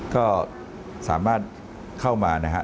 ก็สามารถเข้ามานะฮะ